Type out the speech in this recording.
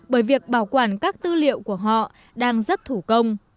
bởi việc bảo quản các tư liệu của họ đang rất thủ công